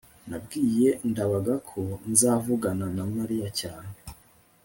nabwiye ndabaga ko nzavugana na mariya cyane